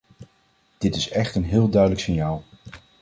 Dit is echt een heel duidelijk signaal.